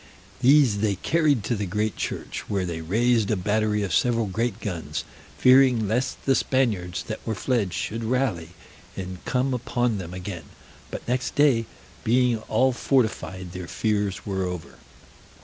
These they carried to the great church, where they raised a battery of several great guns, fearing lest the Spaniards that were fled should rally, and come upon them again; but next day, being all fortified, their fears were over.